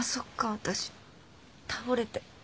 私倒れて。